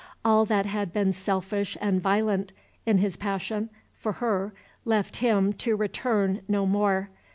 All that had been selfish and violent in his passion for her left him to return no more.